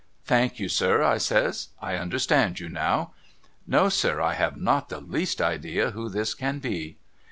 ' Thank you sir,' I says ' I understand you now. No sir I have not the least idea who this can be.'